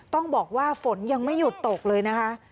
ต้องบอกว่าฝนยังไม่หยุดตกเลยนะคะ